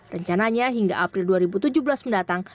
rencananya hingga april dua ribu tujuh belas mendatang